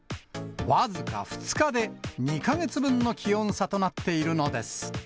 僅か２日で２か月分の気温差となっているのです。